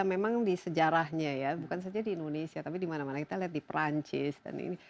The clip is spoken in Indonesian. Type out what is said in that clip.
memang di sejarahnya ya bukan saja di indonesia tapi dimana mana kita lihat di perancis dan ini